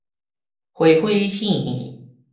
花花挕挕